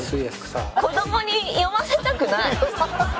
子供に読ませたくない！